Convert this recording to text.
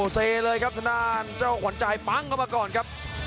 เซเลยครับทางด้านเจ้าขวัญใจปั้งเข้ามาก่อนครับ